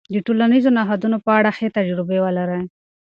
د ټولنيزو نهادونو په اړه ښې تجربې ولرئ.